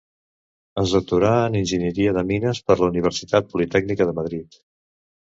Es doctorà en enginyeria de mines per la Universitat Politècnica de Madrid.